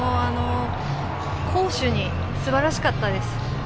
攻守にすばらしかったです。